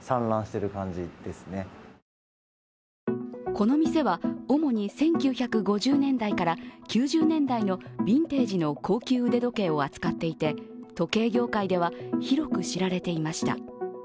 この店は、主に１９５０年代から９０年代のビンテージの高級腕時計を扱っていて、時計業界では広く知られていました。